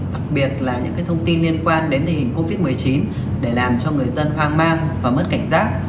đặc biệt là những thông tin liên quan đến tình hình covid một mươi chín để làm cho người dân hoang mang và mất cảnh giác